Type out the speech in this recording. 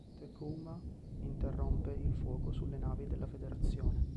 T’Kuvma interrompe il fuoco sulle navi della Federazione.